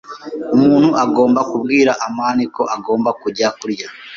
Umuntu agomba kubwira amani ko agomba kujya kurya.